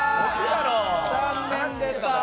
残念でした。